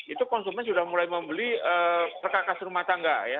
itu konsumen sudah mulai membeli perkakas rumah tangga ya